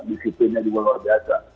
fisiknya juga luar biasa